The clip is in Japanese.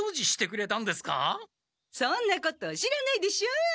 そんなこと知らないでしょ？